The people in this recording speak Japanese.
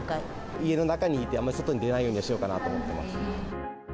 家の中にいて、あんまり外に出ないようにしようかなと思ってます。